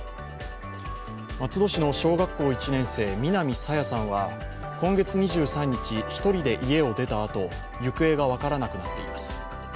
松戸市の小学校１年生、南朝芽さんは今月２３日、１人で家を出たあと行方が分からなくなっています。